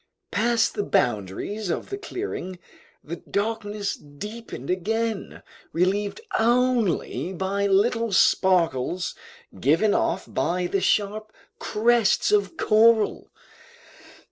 Past the boundaries of the clearing, the darkness deepened again, relieved only by little sparkles given off by the sharp crests of coral.